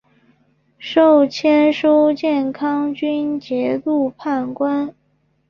授签书建康军节度判官。